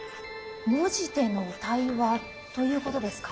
文字での対話ということですか？